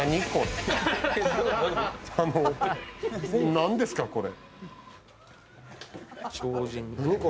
何ですか、これ？